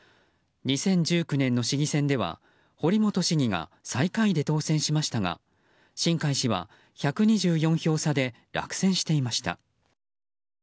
２０１９年の市議選では堀本市議が最下位で当選しましたが新開氏は１２４票差で落選していました。